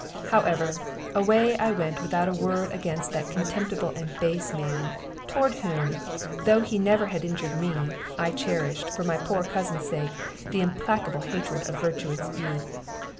However, away I went without a word against that contemptible and base man, toward whom though he never had injured me I cherished, for my poor cousin's sake, the implacable hatred of virtuous youth.